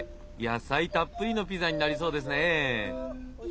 野菜たっぷりのピザになりそうですね。